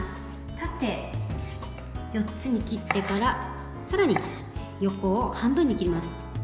縦４つに切ってからさらに、横を半分に切ります。